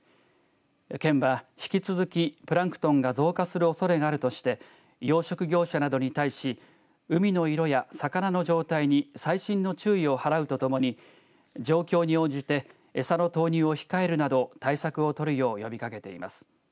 県は引き続きプランクトンが増加するおそれがあるとして養殖業者などに対し海の色や魚の状態に細心の注意を払うとともに状況に応じて餌の投入を控えるなど対策をとるよう呼びかけています。